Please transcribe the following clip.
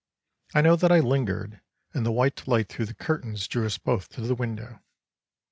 I know that I lingered, and the white light through the curtains drew us both to the window.